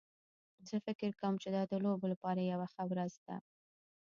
زه فکر کوم چې دا د لوبو لپاره یوه ښه ورځ ده